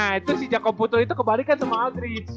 nah itu si jakob putel itu kebalikan sama aldrich